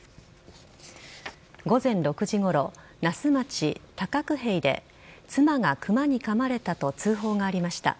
午前６時ごろ、那須町高久丙で妻がクマにかまれたと通報がありました。